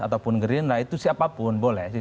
ataupun gerindra itu siapapun boleh sih